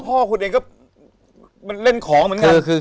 พ่อคุณเองก็มันเล่นของเหมือนกัน